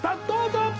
どうぞ！